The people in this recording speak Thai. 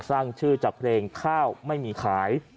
สร้างชื่อจากเพลงข้าวไม่มีขาย